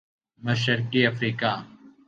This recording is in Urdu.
مشرقی افریقہ